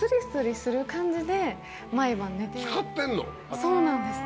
そうなんです。